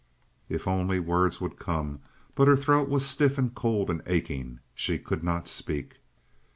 If words would only come! But her throat was stiff and cold and aching. She could not speak.